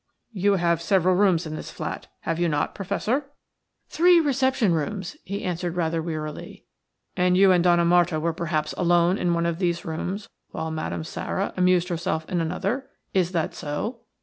"You have several rooms in this flat, have you not, Professor?" "Three reception rooms," he answered, rather wearily. "And you and Donna Marta were perhaps alone in one of those rooms while Madame Sara amused herself in another? Is that so?"